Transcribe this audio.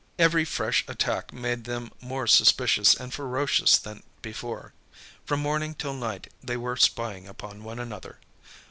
Every fresh attack made them more suspicious and ferocious than before. From morning till night they were spying upon one another.